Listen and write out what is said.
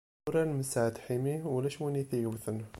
Urar n Messaɛd Ḥimi, ulac win i t-yewten.